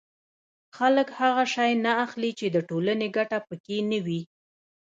خلک هغه شی نه اخلي چې د ټولنې ګټه پکې نه وي